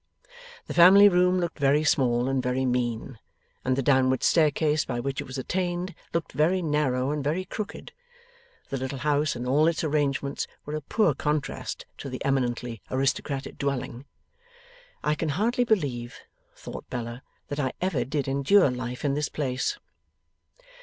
The family room looked very small and very mean, and the downward staircase by which it was attained looked very narrow and very crooked. The little house and all its arrangements were a poor contrast to the eminently aristocratic dwelling. 'I can hardly believe,' thought Bella, 'that I ever did endure life in this place!